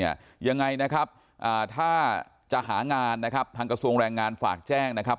ยังไงนะครับถ้าจะหางานนะครับทางกระทรวงแรงงานฝากแจ้งนะครับ